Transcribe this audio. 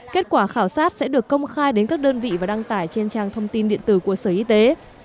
kết quả khảo sát sẽ được công khai đến các đơn vị và đăng tải trên trang thông tin điện tử của sở y tế